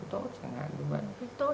tía tốt để phòng đố mạnh